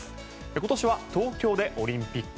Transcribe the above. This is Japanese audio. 今年は東京でオリンピック